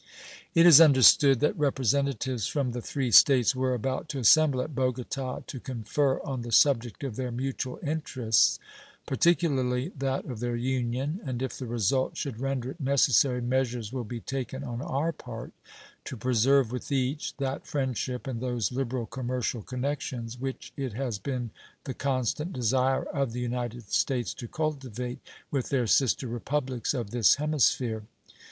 It is understood that representatives from the three states were about to assemble at Bogota to confer on the subject of their mutual interests, particularly that of their union, and if the result should render it necessary, measures will be taken on our part to preserve with each that friendship and those liberal commercial connections which it has been the constant desire of the United States to cultivate with their sister Republics of this hemisphere.